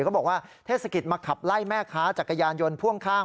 เขาบอกว่าเทศกิจมาขับไล่แม่ค้าจักรยานยนต์พ่วงข้าง